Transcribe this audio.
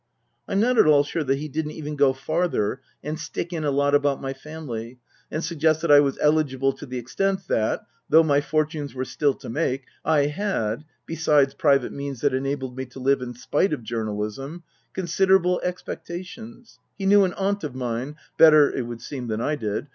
I'm not at all sure that he didn't even go farther and stick in a lot about my family, and suggest that I was eligible to the extent that, though my fortunes were still to make, I had (besides private means that enabled me to live in spite of journalism) considerable expectations (he knew an aunt of mine better, it would seem, than I did).